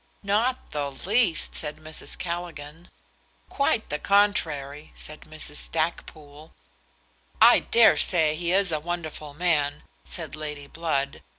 "Not the least," said Mrs. Callaghan. "Quite the contrary," said Mrs. Stackpoole. "I dare say he is a wonderful man," said Lady Blood.